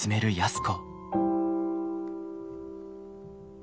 安子。